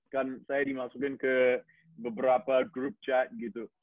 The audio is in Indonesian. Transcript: kan saya dimasukin ke beberapa grup chat gitu